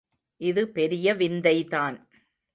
இது பெரிய விந்தைதான்.